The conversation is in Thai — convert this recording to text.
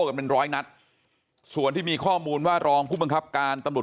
กันเป็นร้อยนัดส่วนที่มีข้อมูลว่ารองผู้บังคับการตำรวจ